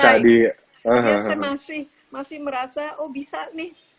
saya masih merasa oh bisa nih